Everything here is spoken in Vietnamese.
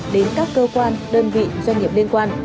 đến các cơ quan đơn vị doanh nghiệp liên quan